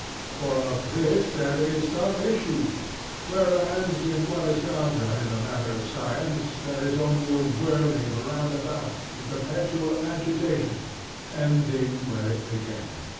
For of this there is some issue; whereas in what is now done in the matter of science there is only a whirling round about, and perpetual agitation, ending where it began.